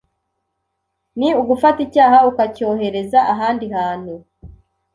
ni ugufata icyaha ukacyohereza ahandi hantu